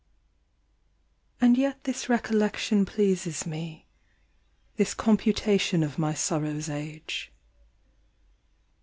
And yet this recollection pleases me, This computation of my sorrow's age.